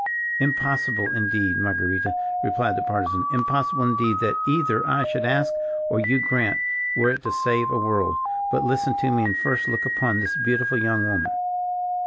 "Impossible, indeed, Marguerita," replied the Partisan; "impossible, indeed, that either I should ask, or you grant, were it to save a world. But, listen to me, and first look upon this beautiful young woman."